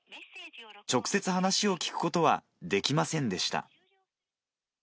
直接話を聞くことはできませんでした。